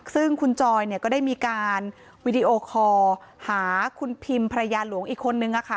ซึ่งคุณจอยเนี่ยก็ได้มีการวีดีโอคอร์หาคุณพิมภรรยาหลวงอีกคนนึงค่ะ